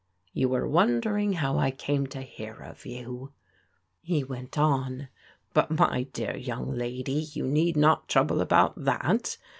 You were wondering how I came to hear of you," be went on, "but, my dear young lady, you need not 1 trouble about that.